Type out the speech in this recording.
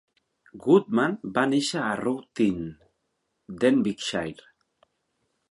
Goodman va néixer a Ruthin, Denbighshire.